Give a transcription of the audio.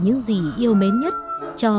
những gì yêu mến nhất cho